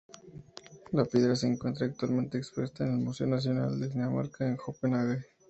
La piedra se encuentra actualmente expuesta en el Museo Nacional de Dinamarca, en Copenhague.